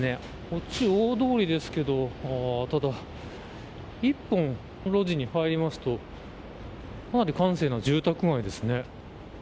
こっち大通りですけどただ、１本路地に入りますとかなり閑静な住宅街ですね。